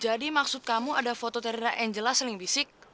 jadi maksud kamu ada fototerra angela saling bisik